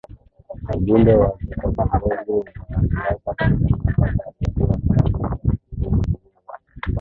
Ujumbe wake kwa viongozi wa siasa Tanzania mpaka aliyekuwa Mratibu wa vipindi Radio One